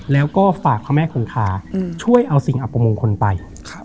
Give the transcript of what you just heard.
แล้วก็ฝากพระแม่คงคาช่วยเอาสิ่งอัปมงคลไป